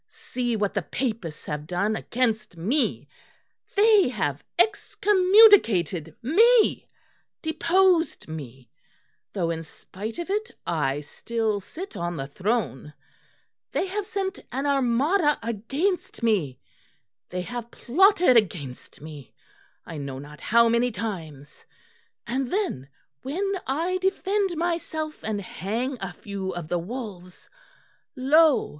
See what the Papists have done against me; they have excommunicated me, deposed me though in spite of it I still sit on the throne; they have sent an Armada against me; they have plotted against me, I know not how many times; and then, when I defend myself and hang a few of the wolves, lo!